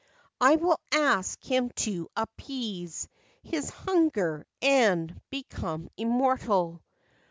I will ask him to appease his Hunger, and become immortal.